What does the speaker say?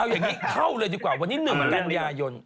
เอาอย่างนี้เข้าเลยดีกว่าวันนี้๑กันยายน